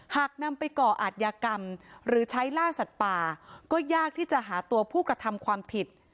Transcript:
หากนำไปก่ออาจยากรรมหรือใช้ล่าสัตว์ป่าก็ยากที่จะหาตัวผู้กระทำความผิด